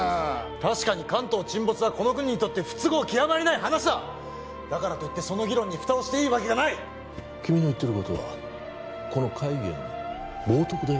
確かに関東沈没はこの国にとって不都合極まりない話だだからといってその議論に蓋をしていいわけがない君の言ってることはこの会議への冒とくだよ